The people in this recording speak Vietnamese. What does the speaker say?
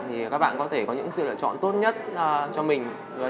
thì các bạn có thể có những sự lựa chọn tốt hơn